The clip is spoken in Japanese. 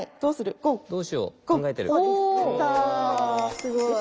すごい。